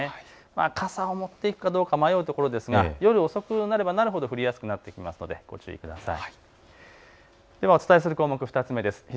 傘を持っていくか迷うところですが夜遅くなればなるほど降りやすくなってきますのでご注意ください。